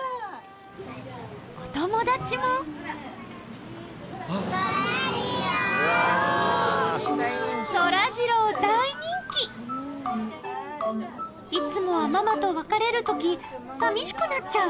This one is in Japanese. お友達もそらジローいつもはママと別れる時寂しくなっちゃう